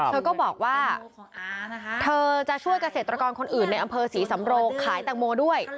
เธอก็บอกว่าเธอจะช่วยเกษตรกรคนอื่นในอำเภอศรีสำโรงขายแตงโมด้วย